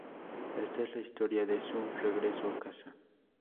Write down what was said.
Esta es la historia de su "Regreso a casa"".